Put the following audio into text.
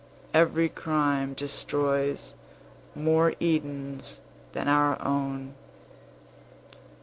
Every crime destroys more Edens than our own!